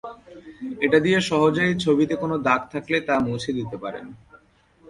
এটা দিয়ে সহজেই ছবিতে কোন দাগ থাকলে তা মুছে দিতে পারেন।